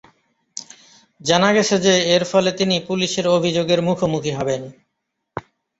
জানা গেছে যে এর ফলে তিনি পুলিশের অভিযোগের মুখোমুখি হবেন।